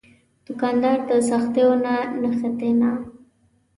دوکاندار د سختیو نه تښتي نه.